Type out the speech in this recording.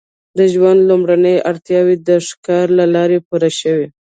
د ژوند لومړنۍ اړتیاوې د ښکار له لارې پوره شوې.